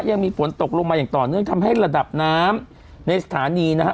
ยังมีฝนตกลงมาอย่างต่อเนื่องทำให้ระดับน้ำในสถานีนะฮะ